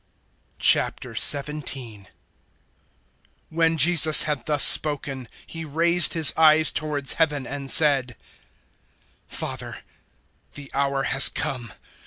017:001 When Jesus had thus spoken, He raised his eyes towards Heaven and said, "Father, the hour has come.